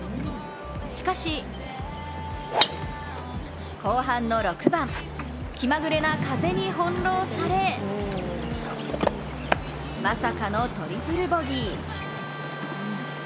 しかし、後半の６番、気まぐれな風に翻弄されまさかのトリプルボギー。